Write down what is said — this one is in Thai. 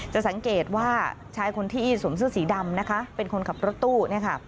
จะสังเกตว่าชายคนที่สวมเสื้อสีดำนะคะเป็นคนขับรถตู้เนี่ยค่ะ